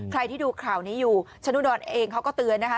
ใครที่ดูข่าวนี้อยู่ชะนุดรเองเขาก็เตือนนะคะ